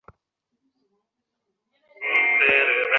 দেখো তার কাছে কোনো তথ্য আছে কিনা।